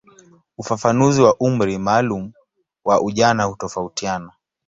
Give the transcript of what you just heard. Ufafanuzi wa umri maalumu wa ujana hutofautiana.